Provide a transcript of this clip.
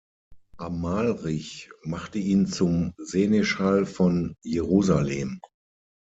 Amalrich machte ihn zum Seneschall von Jerusalem.